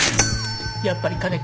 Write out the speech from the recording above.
やっぱり金か。